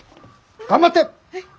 頑張って！